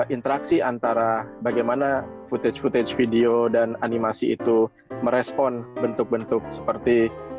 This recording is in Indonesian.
interaksi antara bagaimana footage footage video dan animasi itu merespon bentuk bentuk seperti